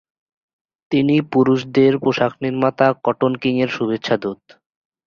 তিনি পুরুষদের পোশাক নির্মাতা কটন কিং এর শুভেচ্ছা দূত।